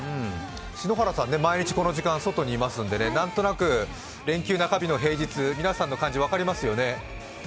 篠原さん、毎日、この時間外にいますので何となく連休中日の平日、皆さんの感じ、分かりますよね。